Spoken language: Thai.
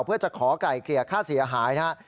เพื่อจะขอไก่เกลี่ยค่าเสียหายนะครับ